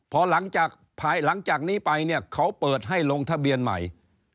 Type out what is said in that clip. พอหลังจากนี้ไปเขาเปิดให้ลงทะเบียนใหม่